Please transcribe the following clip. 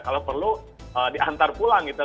kalau perlu diantar pulang gitu